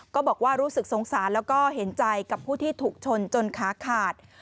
ก็บอกว่ารู้สึกสงสารแล้วก็เห็นใจกับผู้ที่ถูกชนจนขาขาด